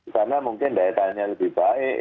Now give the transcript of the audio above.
karena mungkin daya tanya lebih baik